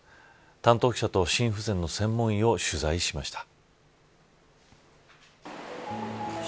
担当記者と心不全の専門医を取材しました。